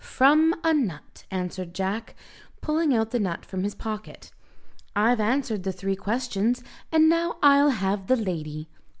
"From a nut," answered Jack, pulling out the nut from his pocket. "I've answered the three questions, and now I'll have the lady."